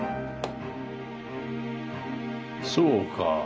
そうか。